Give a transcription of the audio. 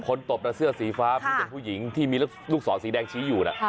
ตบเสื้อสีฟ้าพี่เป็นผู้หญิงที่มีลูกศรสีแดงชี้อยู่นะ